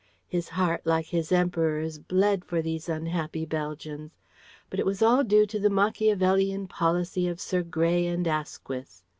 His heart like his Emperor's bled for these unhappy Belgians. But it was all due to the Macchiavellian policy of "Sir Grey and Asquiss."